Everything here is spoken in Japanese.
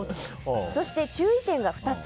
そして、注意点が２つ。